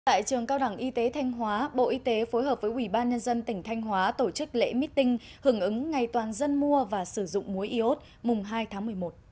tại trường cao đẳng y tế thanh hóa bộ y tế phối hợp với ủy ban nhân dân tỉnh thanh hóa tổ chức lễ meeting hưởng ứng ngày toàn dân mua và sử dụng muối iốt mùng hai tháng một mươi một